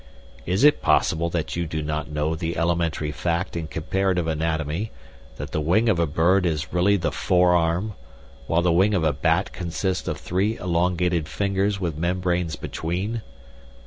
Is it possible that you do not know the elementary fact in comparative anatomy, that the wing of a bird is really the forearm, while the wing of a bat consists of three elongated fingers with membranes between?